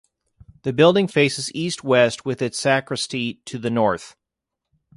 The building faces east–west with its sacristy to the north.